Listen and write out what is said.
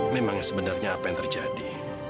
memang sebenarnya apa yang terjadi